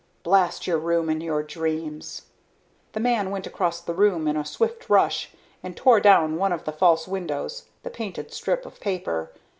"Blast your room and your dreams!" The man went across the room in a swift rush and tore down one of the false windows, the painted strip of paper.